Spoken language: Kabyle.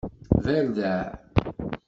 Berdeɛ.